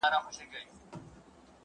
هره چیغه یې رسېږي له کوډلو تر قصرونو ..